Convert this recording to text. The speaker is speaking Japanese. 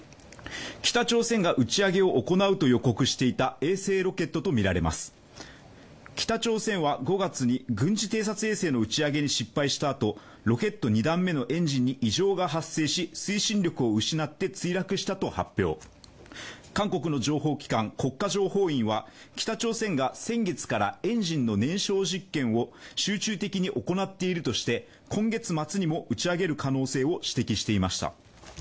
北朝鮮が打ち上げを行うと予告していた衛星ロケットとみられます、北朝鮮は５月に軍事偵察衛星の発射に失敗したあとロケット２段目のエンジンに異常が発生し、推進力を失って墜落したと発表、韓国の情報機関、国家情報院は北朝鮮が先月からエンジンの燃焼実験を集中的に行っているとして今月末にも打ち上げる可能性を指摘していました。